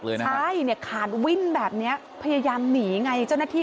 เลยนะใช่เนี่ยขาดวิ่นแบบนี้พยายามหนีไงเจ้าหน้าที่